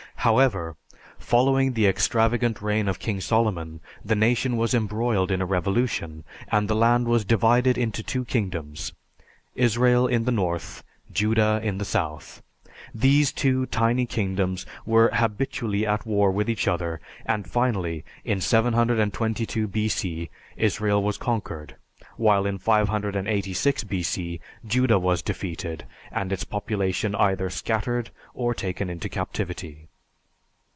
However, following the extravagant reign of King Solomon, the nation was embroiled in a revolution, and the land was divided into two kingdoms Israel in the north, Judah in the south. These two tiny kingdoms were habitually at war with each other and, finally, in 722 B.C. Israel was conquered, while in 586 B.C., Judah was defeated and its population either scattered or taken into captivity.